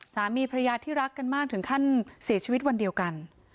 สามีพระยาที่รักกันมากถึงขั้นเสียชีวิตวันเดียวกัน